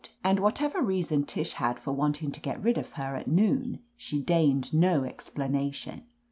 And whatever reason Tish had for wanting to get rid of her at noon, she deigned no explanation.